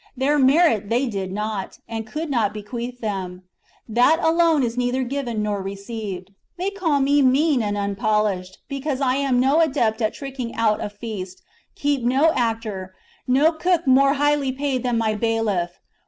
Their merit they did not, and could not bequeath them ; that alone is neither given nor received. They call me mean and unpolished, because I am no adept at tricking out a feast, keep no actor, no cook more highly paid than my bailiff.